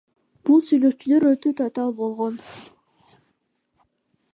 Бул сүйлөшүүлөр өтө татаал болгон.